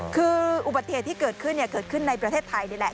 คืออุบัติเหตุที่เกิดขึ้นเกิดขึ้นในประเทศไทยนี่แหละ